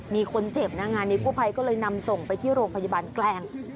มีคนเจ็บนะงานนี้กู้ภัยก็เลยนำส่งไปที่โรงพยาบาลแกลง